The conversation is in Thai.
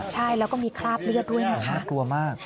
ใช่แล้วก็มีคราบเลือดด้วยนะคะน่ากลัวมาก